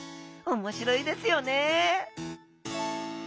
おもしろいですよね？